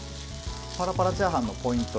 パラパラチャーハンのポイント